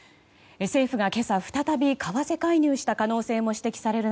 政府が今朝、再び為替介入した可能性も指摘される